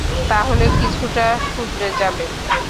তাহলে কিছুটা সুধরে যাবে।